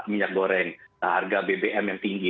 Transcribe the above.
minyak goreng harga bbm yang tinggi